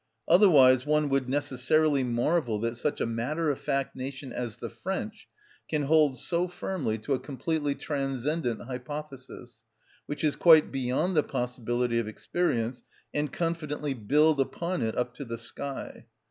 Otherwise one would necessarily marvel that such a matter‐of‐fact nation as the French can hold so firmly to a completely transcendent hypothesis, which is quite beyond the possibility of experience, and confidently build upon it up to the sky.